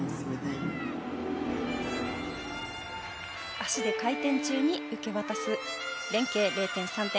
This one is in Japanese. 足で回転中に受け渡す連係０．３点。